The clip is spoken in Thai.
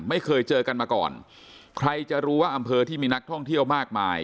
ไม่เคยเจอกันมาก่อนใครจะรู้ว่าอำเภอที่มีนักท่องเที่ยวมากมาย